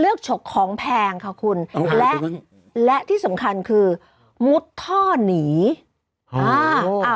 ฉกของแพงค่ะคุณและและที่สำคัญคือมุดท่อหนีอ่า